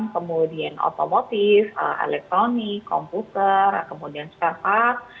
kemudian otomotif elektronik komputer kemudian spare part